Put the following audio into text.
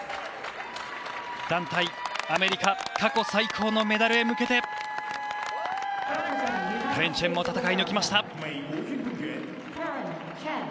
団体アメリカ過去最高のメダルへ向けてカレン・チェンも戦い抜きました。